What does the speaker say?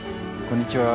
こんにちは。